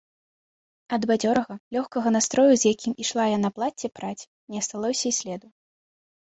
Ад бадзёрага, лёгкага настрою, з якім ішла яна плацце праць, не асталося і следу.